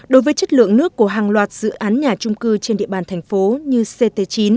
đối với chất lượng nước của hàng loạt dự án nhà trung cư trên địa bàn thành phố như ct chín